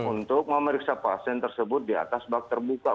untuk memeriksa pasien tersebut di atas bak terbuka